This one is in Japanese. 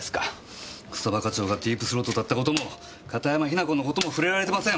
草葉課長がディープ・スロートだった事も片山雛子の事も触れられてません。